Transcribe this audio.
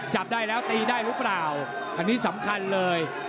จับได้แล้วตีได้หรือเปล่าอันนี้สำคัญเลย